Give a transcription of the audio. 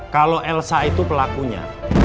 kalau elsa itu pelakunya